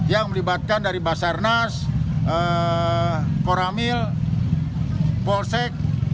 yang melibatkan dari basarnas koramil polsek